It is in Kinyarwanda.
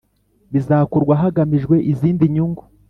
Bizakorwa hagamijwe izindi nyungu.